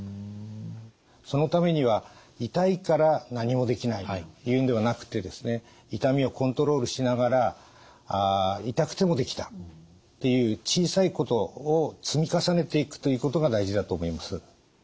そのためには「痛いから何もできない」というんではなくてですね痛みをコントロールしながら「痛くてもできた」っていう小さいことを積み重ねていくということが大事だと思います。